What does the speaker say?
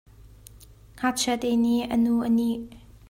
Ngakchia te nih a nu a nih.